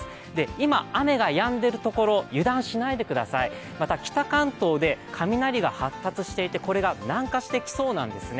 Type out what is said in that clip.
今、雨がやんでいるところ、油断しないでください、北関東で雷が発達していて、これが南下してきそうなんですね。